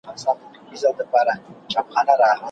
تعلیم د ژوند لاره روښانه کوي.